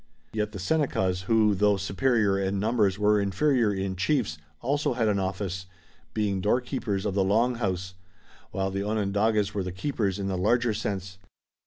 Yet the Senecas, who though superior in numbers were inferior in chiefs, also had an office, being Door Keepers of the Long House, while the Onondagas were the keepers in the larger sense.